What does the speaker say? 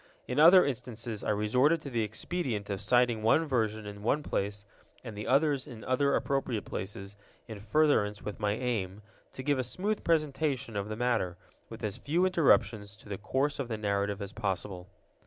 In other instances I resorted to the expedient of citing one version in one place and the others in other appropriate places, in furtherance of my aim, to give a smooth presentation of the matter, with as few interruptions to the course of the narrative as possible.